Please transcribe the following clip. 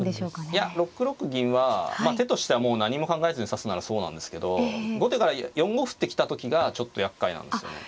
いや６六銀は手としてはもう何も考えずに指すならそうなんですけど後手が４五歩って来た時がちょっとやっかいなんですよね。